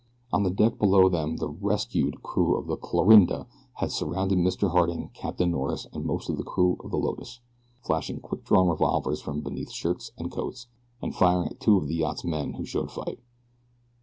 On the deck below them the "rescued" crew of the "Clarinda" had surrounded Mr. Harding, Captain Norris, and most of the crew of the Lotus, flashing quick drawn revolvers from beneath shirts and coats, and firing at two of the yacht's men who showed fight.